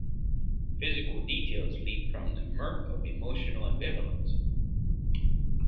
Physical details leap from the murk of emotional ambivalence.